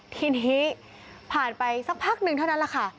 ทีนี้ผ่านไปสักพักหนึ่งเท่านั้นแหละค่ะ